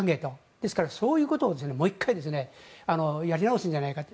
ですからそういうことをもう１回やり直すんじゃないかと。